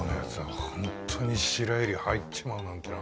ホントに白百合入っちまうなんてな。